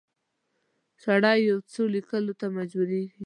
سړی یو څه لیکلو ته مجبوریږي.